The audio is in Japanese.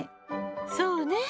そうね。